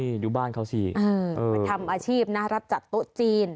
นี่ดูบ้านเขาสิทำอาชีพนะรับจัดโต๊ะจีน